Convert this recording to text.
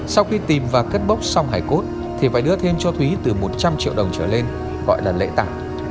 sau khi tìm và cất bốc xong hải cốt thì phải đưa thêm cho thúy từ một trăm linh triệu đồng trở lên gọi là lễ tả